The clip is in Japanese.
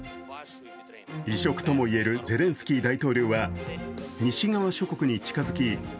異色とも言えるゼレンスキー大統領は西側諸国に近づき